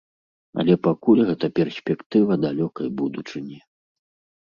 Але пакуль гэта перспектыва далёкай будучыні.